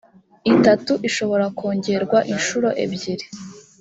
itatu ishobora kongerwa inshuro ebyiri